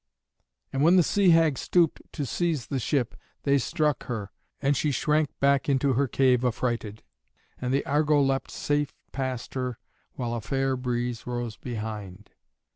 And when the sea hag stooped to seize the ship, they struck her, and she shrank back into her cave affrighted, and the Argo leapt safe past her, while a fair breeze rose behind.